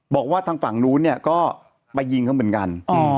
บอกว่าทางฝั่งนู้นเนี่ยก็ไปยิงเขาเหมือนกัน